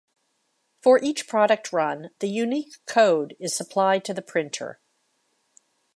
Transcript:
For each product run the unique code is supplied to the printer.